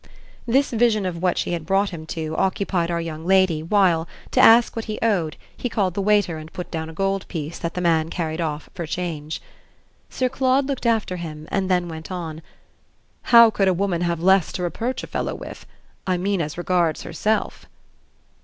This vision of what she had brought him to occupied our young lady while, to ask what he owed, he called the waiter and put down a gold piece that the man carried off for change. Sir Claude looked after him, then went on: "How could a woman have less to reproach a fellow with? I mean as regards herself."